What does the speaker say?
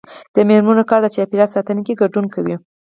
د میرمنو کار د چاپیریال ساتنه کې ګډون کوي.